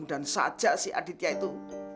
mudah mudahan saja si aditya itu